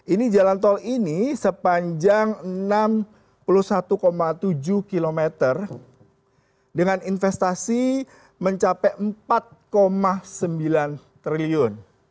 ini jalan tol ini sepanjang enam puluh satu tujuh kilometer dengan investasi mencapai empat sembilan triliun